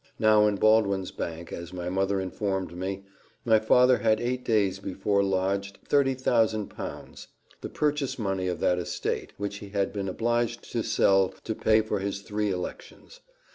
Now in Baldwin's bank, as my mother informed me, my father had eight days before lodged £30,000, the purchase money of that estate which he had been obliged to sell to pay for his three elections.